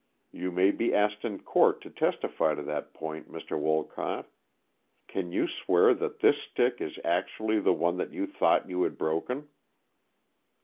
You may be asked in court to testify to that point, Mr. Wolcott. Can you swear that this stick is actually the one that you thought you had broken?"